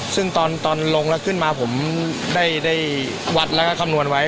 ซึ่งตอนลงแล้วขึ้นมาผมได้วัดแล้วก็คำนวณไว้